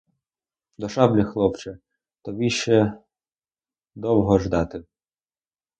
До шаблі, хлопче, тобі ще довго ждати.